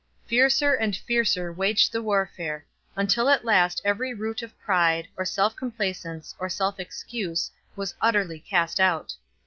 Fiercer and fiercer waged the warfare, until at last every root of pride, or self complacence, or self excuse, was utterly cast out.